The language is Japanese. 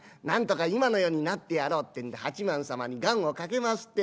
なんとか今の世になってやろう」ってんで八幡様に願をかけます